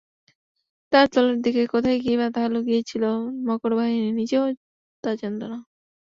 তার তলার দিকে কোথায় কী বাধা লুকিয়ে ছিল মকরবাহিনী নিজেও তা জানত না।